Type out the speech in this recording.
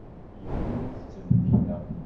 Yiwen ur t-ttbeddileɣ.